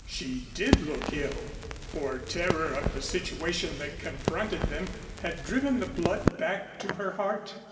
She did look ill, for terror of the situation that confronted them had driven the blood back to her heart.